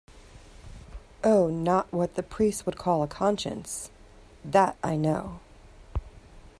Oh, not what the priests would call a conscience; that I know.